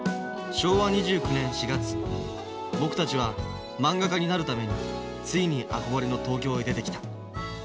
昭和２９年４月僕たちはまんが家になるためについに憧れの東京へ出てきた。